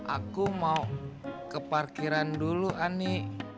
aku mau ke parkiran dulu ani